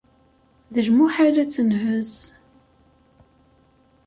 D lmuḥal ad tenhez.